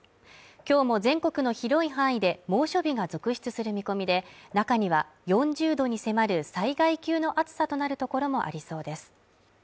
今日も全国の広い範囲で猛暑日が続出する見込みで中には４０度に迫る災害級の暑さとなる所もありそうです